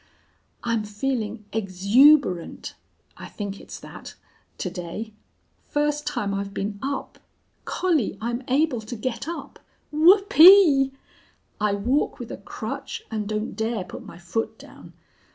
"I'm feeling exuberant (I think it's that) to day. First time I've been up. Collie, I'm able to get up! WHOOPEE! I walk with a crutch, and don't dare put my foot down.